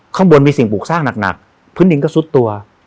ข้างบนมีสิ่งปลูกสร้างหนักพื้นดินก็ซุดตัว